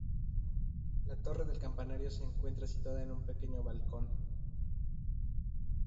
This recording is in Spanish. La torre del campanario se encuentra situada en un pequeño balcón.